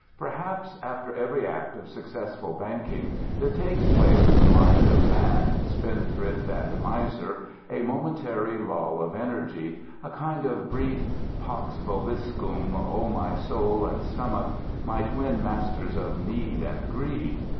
Perhaps after every act of successful banking there takes place in the mind of man, spendthrift and miser, a momentary lull of energy, a kind of brief Pax vobiscum my soul and stomach, my twin masters of need and greed!